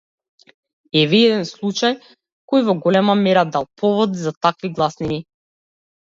Еве и еден случај кој во голема мера дал повод за такви гласини.